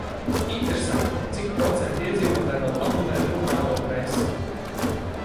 Interesanti, cik procenti iedzīvotāju vēl abonē drukāto presi?